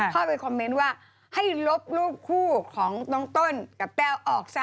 เข้าไปคอมเมนต์ว่าให้ลบรูปคู่ของน้องต้นกับแต้วออกซะ